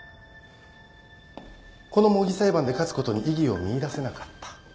この模擬裁判で勝つことに意義を見いだせなかった。